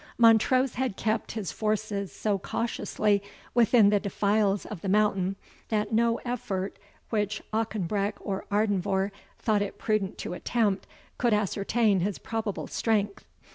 Montrose had kept his forces so cautiously within the defiles of the mountain, that no effort which Auchenbreck or Ardenvohr thought it prudent to attempt, could ascertain his probable strength.